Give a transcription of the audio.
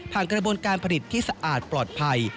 กระบวนการผลิตที่สะอาดปลอดภัย